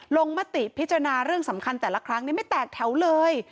มติพิจารณาเรื่องสำคัญแต่ละครั้งไม่แตกแถวเลย